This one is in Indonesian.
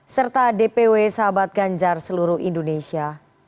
serta dpw sahabat ganjar seluruh indonesia